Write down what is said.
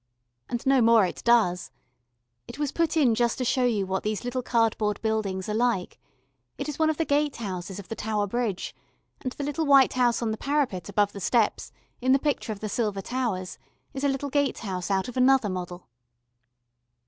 And no more it does. It was put in just to show you what these little cardboard buildings are like it is one of the gate houses of the Tower Bridge, and the little white house on the parapet above the steps in the picture of the silver towers is a little gate house out of another model.